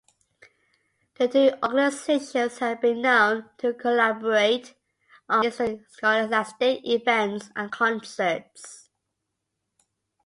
The two organizations have been known to collaborate on intra-scholastic events and concerts.